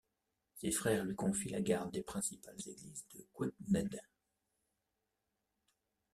Ses frères lui confient la garde des principales églises du Gwynedd.